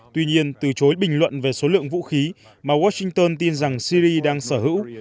tuy nhiên từ chối bình luận về số lượng vũ khí mà washington tin rằng syri đang sở hữu